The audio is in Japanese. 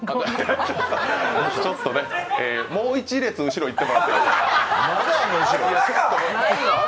ちょっとね、もう一列後ろにいってもらって。